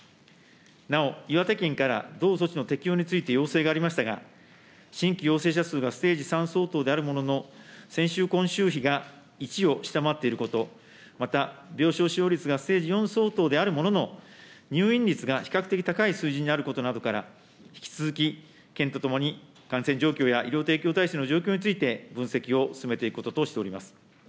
なお、岩手県から同措置の適用について要請がありましたが、新規陽性者数がステージ３相当であるものの、先週、今週比が１を下回っていること、また病床使用率がステージ４相当であるものの、入院率が比較的高い水準にあることなどから、引き続き県とともに感染状況や医療提供体制の状況について、分析を進めていくこととしております。